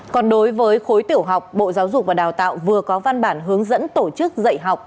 còn đối với khối tiểu học bộ giáo dục và đào tạo vừa có văn bản hướng dẫn tổ chức dạy học